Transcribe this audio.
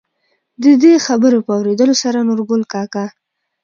د دې خبرو په اورېدلو سره نورګل کاکا،